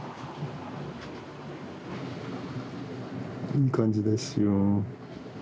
いい感じですよ。